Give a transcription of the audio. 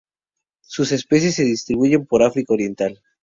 Sus especies se distribuyen por África Oriental.